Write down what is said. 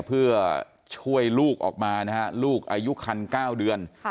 เพื่อช่วยลูกออกมานะฮะลูกอายุคัน๙เดือน